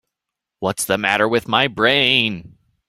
What's the matter with my brain?